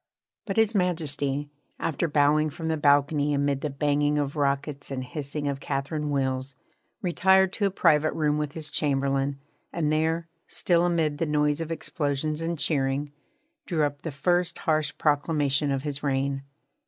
But His Majesty, after bowing from the balcony amid the banging of rockets and hissing of Catherine wheels, retired to a private room with his Chamberlain, and there, still amid the noise of explosions and cheering, drew up the first harsh proclamation of his reign.